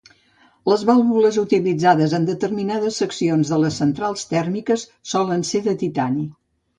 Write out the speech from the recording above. Les vàlvules utilitzades en determinades seccions de les centrals tèrmiques solen ser de titani.